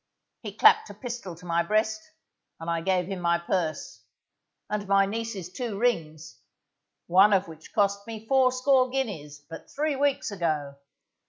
He clapped a pistol to my breast, and I gave him my purse, and my niece's two rings, one of which cost me fourscore guineas, but three weeks ago.